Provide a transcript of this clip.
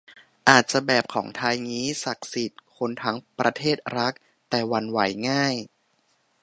อาจจะแบบของไทยงี้ ศักดิ์สิทธิ์ คนทั้งประเทศรัก แต่หวั่นไหวง่าย